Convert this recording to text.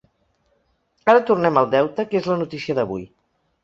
Ara tornem al deute, que és la notícia d’avui.